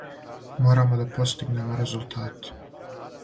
Морамо да постигнемо резултате.